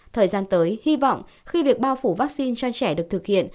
thời gian tới hy vọng khi việc bao phủ vaccine cho trẻ được thực hiện